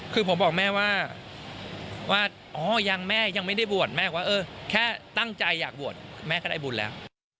คือผมบอกแม่ว่าอ๋อยังแม่ยังไม่ได้บวชแม่บอกว่าเออแค่ตั้งใจอยากบวชแม่ก็ได้บุญแล้ว